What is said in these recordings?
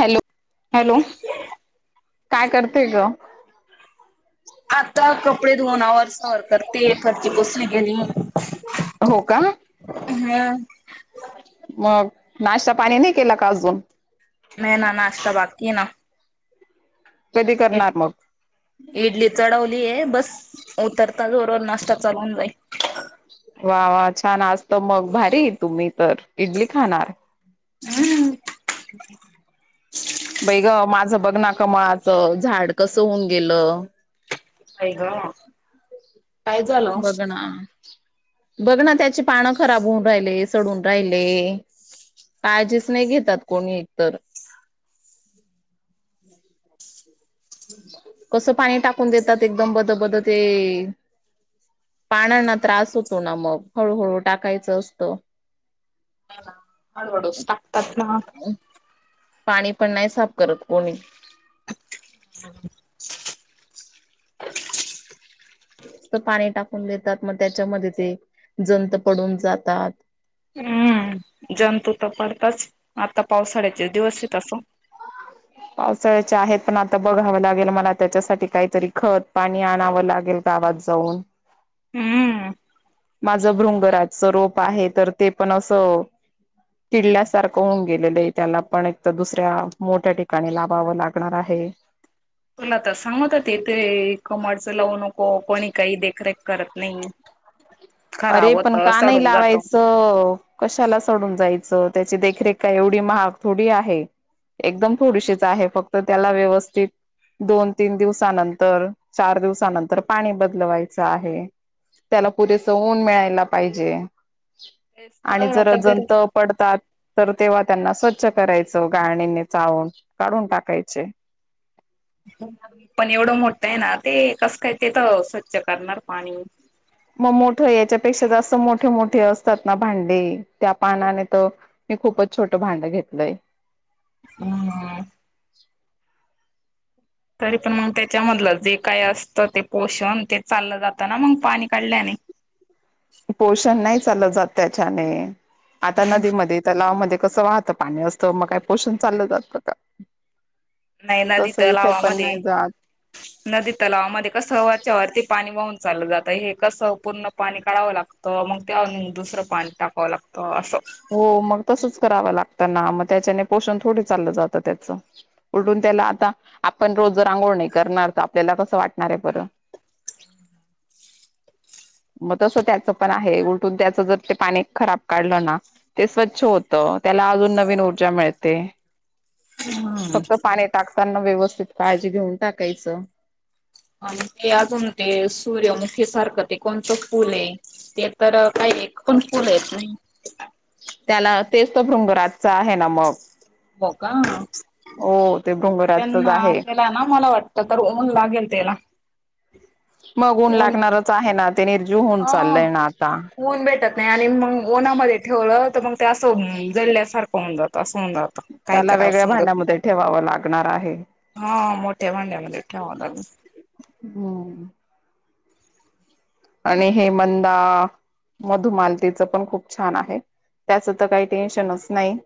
Hello. Hello. काय करते ग? आता कपडे धुवन आवार सवर करतेय. फरशी पुसन गेली. हो का? हा. मग नाश्ता पाणी नाही केलं का अजून? नाही ना, नाश्ता बाकी आहे ना. कधी करणार मग? इडली चढवलीय बस उतरता जोरवर नाश्ता चालू होऊन जाईल. वा वा छान. आज तर मग भारी तुम्ही तर इडली खाणार. हम्म‌. बाई ग माझं बघ ना कमाल. च झाड कसं होऊन गेलं? आई ग. काय झालं बघ ना. बघ ना त्याची पानं खराब होऊन राहिले, सडून राहिले. काळजीच नाही घेतात कोणी एकतर. [inaudible] कसं पाणी टाकून देतात. एकदम बद बद ते पाण्यांना त्रास होतो ना मग, हळूहळू टाकायचं असतं. हळूहळूच टाकतात ना. पाणी पण नाही साफ करत कोणी. [unintelligible] नुसतं पाणी टाकून देतात, मग त्याच्यामध्ये ते जंत पडून जातात. हम्म जंतू तर पडताच, आता पावसाळ्याचे दिवस आहेत तसं. [unintelligible] पावसाळ्याच्या आहेत, पण आता बघावं लागेल मला त्याच्यासाठी काहीतरी खत, पाणी आणावं लागेल. गावात जाऊन हम्म माझं भृंगराजचं रोप आहे तर ते पण असं किडल्यासारखं होऊन गेलेलं त्याला पण एक तर दुसऱ्या मोठ्या ठिकाणी लावावं लागणार आहे. तुला तर सांगत तथे कमडचं लावू नको कोणी काही देखरेख करत नाही. अरे खराब होत पण का नाही सडून जात लावायचं. कशाला सडून जायचं त्याची देखरेख का एवढी महाग थोडी आहे. एकदम थोडीशीच आहे फक्त त्याला व्यवस्थित दोन तीन दिवसानंतर चार दिवसानंतर पाणी बदलवायचं आहे. त्याला पुरे सवून मिळायला पाहिजे तेच आणि तर जर आता घरी जंत पडतात तर तेव्हा त्यांना स्वच्छ करायचं गायणीने चाळून काढून टाकायचे. पण एवढं मोठं आहे ना ते कसं काय ते तर स्वच्छ करणार पाणी मग मोठं याच्यापेक्षा जास्त मोठे मोठे असतात ना भांडे त्या पानाने तर मी खूपच छोटं भांडं घेतलंय. हम ह. तरी पण मग त्याच्यामधलं जे काय असत ते पोषण ते चाललं जातं ना मग पाणी काढल्याने पोषण नाही चाल जात त्या आता नदी तला पाणी असतं मग काय पोषण चाललं जातं का? नाही नदीथ तसं इथे पण लावामध्ये नाही जात नदी तलावामध्ये कस वरच्या वरती पाणी वाहून चाललं जात हे कसं पूर्ण पाणी काढावं लागतं. तर मग त्या दुसरं पाणी टाकावं लागतं असं. हो मग तसच करावं लागतं ना मग त्याच्याने पोषण थोडे चाललं जातं त्याचं. उलठून त्याला आता आपण रोज जर रंघोळ नाही करणार तर आपल्याला कसं वाटणार आहे बरं. मग तसं त्याच पण आहे उलटून त्याच जर ते पाणी खराब काढलं ना. ते स्वच्छ होत त्याला अजून नवीन ऊर्जा मिळते. हम्म. फक्त पाणी टाकताना व्यवस्थित काळजी घेऊन टाकायचं. ते अजून ते सूर्यमुखी सारखं ते कोणतं फूल आहे ते तर काही कोण फुल आहेत नाही. त्याला तेच तर भृंगराजच आहे ना मग हो का? हो ते डोंगराचच त्यांना आहे. त्याला ना मला वाटत तर ऊन लागेल त्याला मगून ऊन लागणारच आहे ना ते निर्जी होन चाललय ना आता होऊन भेटतात. नाही आणि मग ओनमध्ये ठेवलं तर मग ते असं जळल्यासारखं होऊन जात असं होऊन जातं. काय त्याला करावं वेगळ्या समजत नाही भांड्यामध्ये ठेवावं लागणार आहे. हा मोठ्या भांड्यामध्ये ठेवा लाग. होम्म. आणि हेमंदा. मधुमालतीच पण खूप छान आहे त्याचं तर काही टेन्शनच नाही.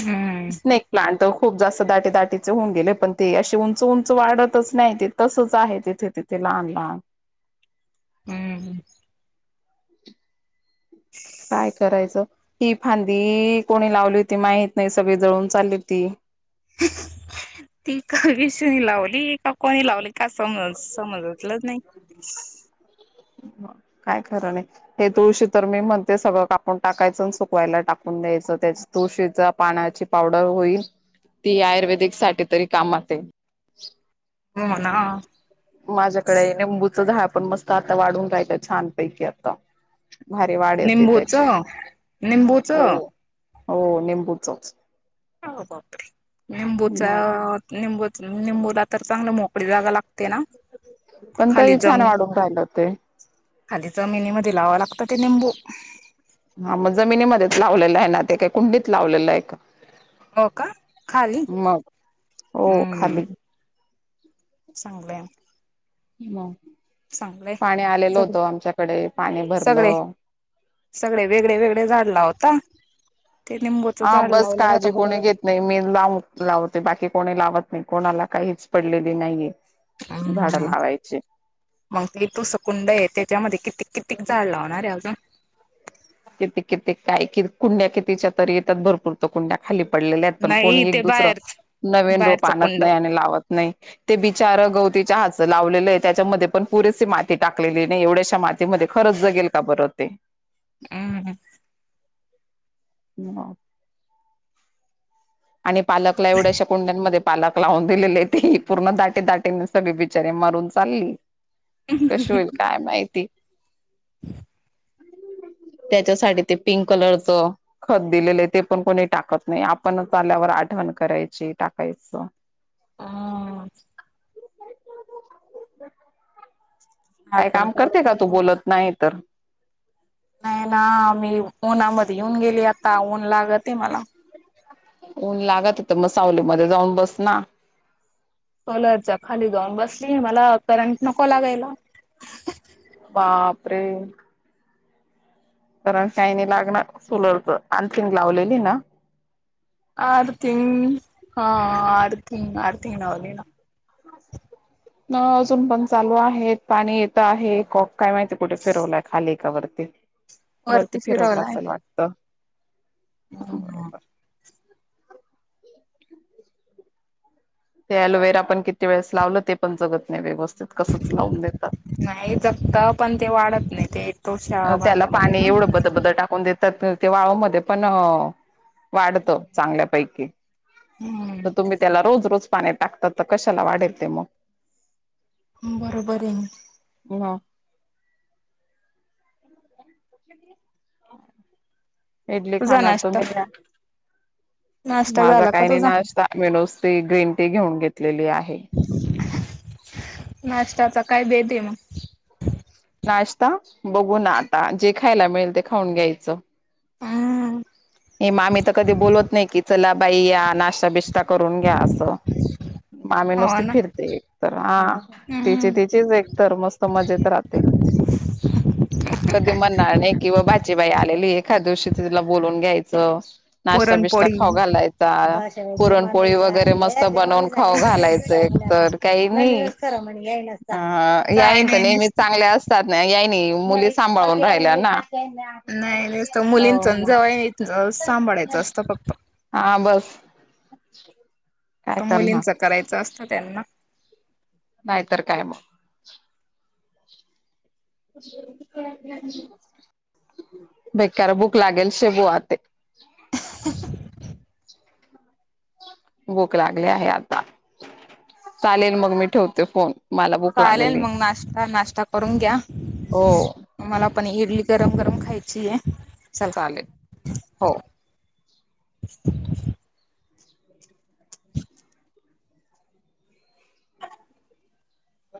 हम्म स्नेक प्लांट खूप जास्त दाटे दाटीचे होऊ गेले पण ते अशी उंच उंच वाढतच नाही ते तसच आहे तिथेथ. ते लहान लहान हम्म. काय करायचं ही फांदी कोणी लावली होती माहत नाही सगळी जळून चालली होती. [unintelligible] ती का विषनी लावली का कोणी लावली का समज समजतलं नाही. ह. काय खर नाही. हे तुळशी तर मी म्हणते सगळं कापून टाकायचं सुकवायला टाकून द्यायचं त्याच. तुळशीचा पाण्याची पावडर होईल ती आयुर्वेदिक साठी तरी कामात आहे. होना माझ्याकडे निेंबूचं झाड पण मस्त आता वाढून राहील छान पैकी आता भारी वाढ यते निंबूच त्याची हो, हो निंबूचच पर निंबूचा मग निंबू निंबूला तर चांगलं मोकळे जागा लागत. ते ना पण खाली तरी छान जमनी वाढून राहिलं ते खाली जमिनीमध्ये लावं लागतं ते निंबू हा मग जमिनीमध्येच लावलेलं आहे ना ते काही कुंडीत लावलेलं आहे का हो का खाली मग हो खाली चांगलय पाणी आलेल सगळे होतं आमच्याकडे पाणी सगळे भरलं सगळे वेगळे, वेगळे झाड लावता ते निंबूचं हा झाड बस लावलं आता काळजी बर कोणी जात घेत नाही मी लाव लावते बाकी कोणी लावत नाही कोणाला काहीच पडलेली नाहीये झाडं हम्म लावायचे मग ति तू सकुंड आहे त्याच्यामध्ये किततीक किततीक झाड लावणार आहे अजून किती, कितीे काय कि कुंड्या कितीच्या तरी येतात भरपूर कुंड्या खाली पडलेल्या आहेत पण नाही कोणी एक ते दुसरं बाहेरच नवीन रोप बाहेरचं आणत कुंड नाही आणि लावत नाही ते बिचार गवती चहाच लावलेलंय त्याच्यामध्ये पण पुरेसे मी टाकलेली नाही एवढ्याशा माती मध्ये खरंच जगेल का बर ते हम ह आणि पालकला एवढ्याशा कुंड्यांमध्ये पालक लावून दिलेले ते पूर्ण दाटी, दाटीन सगळी बिचारे मारून चालली कशी होईल काय माहिती हम [unintelligible] त्याच्यासाठी ते पिंक कलरच खत दिलेलं आहे ते पण कोणी टाकत नाही आपणच पाल्यावर आठवण करायची टाकायचं ह झाड काय पण काम करते का तू केवढं बोलत नाही तर नाही ना मी ऊना मध्ये येऊन गेली आता ऊन लागते मला ऊन लागते म सावलीमध्ये जाऊन बस ना सोलरच्या खाली जाऊन बसली मला करंट नको लागायला बापरे कारण काहीने लागणार सोलर अर्थिंग लावलेली ना अर्थिंग हा अर्थिंग, अर्थिंग लावली ना हा अजून पण चालू आहेत पाणी येतं आहे कॉक काय माहिती कुठे फिरवलाय खालीआहे का वररती वरती फिरवलं असल वाटत बरोबर ते अलोवेरा पण किती वेळेस लावलं ते पण जगत नाही व्यवस्थित कसंच लावून देतात नाही जमता पण ते वाढत नाही ते तोशा त्याला बांध्यामध्ये पाणी ना एवढं बद, बद टाकून देतात ते वाळूमध्येध्ये पण वाढत चांगल्यापैकी तर हम्म. तुम्ही त्याला रोज, रोज पाणी टाकतात तर कशाला वाढेल ते मग बरोबर आहे ह इडली तुझा खानार तर नाश्ता मी नाश्ता माझा झाला का काही नाही तुझा नाशता मी नुसती ग्रीन टी घेऊन घेतलेली आहे नाश्ताचा काय बेत मग नाश्ता बघू ना आता जे खायला मिळेल ते खाऊन घ्यायचं हम्म हे मामी तर कधी बोलत नाही की चला बाई या नाश्ता बिश करून घ्या असं मामी हो नुसती ना फिरते एक तर हा तिची हम्म तिचीच एक तर मस्त मजेत राहते. कधी म्हणणार नाही किंवा बाची बाई आलेली एखाद्यावशी तिला बोलून घ्यायचं नाश्ता बिस्ता पुरणपोळी खाऊ घालायचा पुरणपोळी वगैरे मस्त बनवून खाऊ घालायचं एकतर. काही काय नाहीईन नाही नेहमी नुसतं चांगल्या अस. तात ना या नाही मुली सांभाळून राहिल्या ना. नाही नाहीत हो मुलींच मग जवळनी सांभाळायचं असतं फक्त. हा बस. काय तर करणार मुलींचं करायचं असतं त्यांना नाहीतर काय मग. बेकार बुक लागेल शेबूहते. ह ह. बुक लागले आहे आता चालेल मग मी ठेवते फोन. मला भूक चालेल लागली मग नाश्ता नाश्ता करून घ्या. हो. मला पण इडली गरम गरम खायची आहे चालेल चला. हो. ह.